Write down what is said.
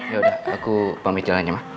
ya udah aku pamit jalannya mah